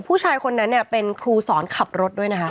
ผู้ชายคนนั้นเนี่ยเป็นครูสอนขับรถด้วยนะคะ